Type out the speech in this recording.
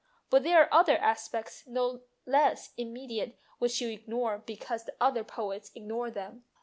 But there are other aspects no less immediate which you ignore because the other poets ignore them."